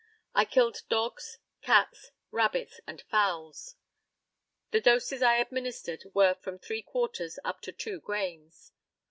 I killed dogs, cats, rabbits, and fowls. The doses I administered were from three quarters up to two grains.